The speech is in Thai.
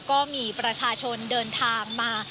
ก็มีประชาชนเดินทางมา